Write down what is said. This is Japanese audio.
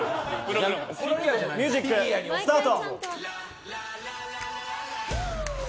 ミュージックスタート！